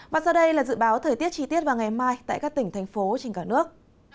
và sau đây là dự báo thời tiết chi tiết vào ngày mai tại các tỉnh thành phố trên cả nước